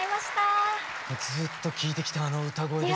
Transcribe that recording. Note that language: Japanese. ずっと聴いてきたあの歌声ですよ。